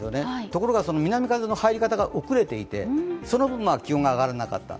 ところが南風の入り方が遅れていて、その分、気温が上がらなかった。